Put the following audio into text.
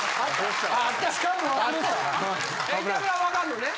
板倉はわかんのね？